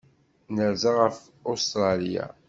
Nerza ɣef Ustṛalya.